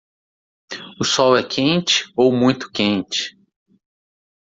O sol é quente ou muito quente?